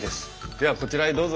ではこちらへどうぞ。